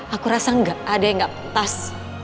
aku rasa gak ada yang gak pantas